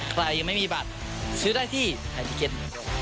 ใครยังไม่มีบัตรซื้อได้ที่ไทยพิเก็ต